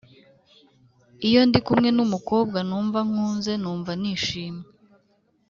Iyo ndi kumwe n’umukobwa numva nkunze numva nishimye